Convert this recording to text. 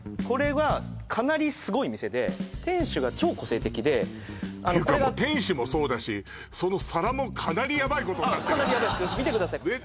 これはかなりすごい店で店主が超個性的でていうか店主もそうだしその皿もかなりヤバいことになってるかなりヤバいすけど見てください